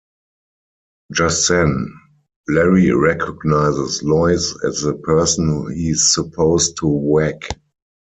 Just then, Larry recognizes Lois as the person he's supposed to whack.